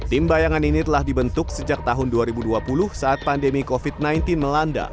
tim bayangan ini telah dibentuk sejak tahun dua ribu dua puluh saat pandemi covid sembilan belas melanda